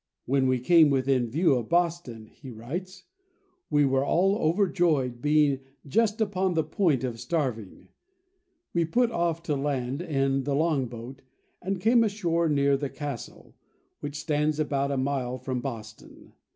"When we came within view of Boston," he writes, "we were all overjoyed, being just upon the point of starving; we put off to land in the long boat, and came ashore near the Castle, which stands about a mile from Boston.